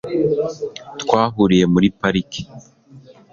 twahuriye muri parike